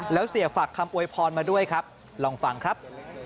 แล้วเสียฝากคำอวยพรมาด้วยครับลองฟังครับ